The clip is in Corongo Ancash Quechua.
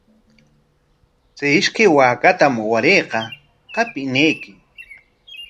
Chay ishkay waakatam warayqa qapinachik.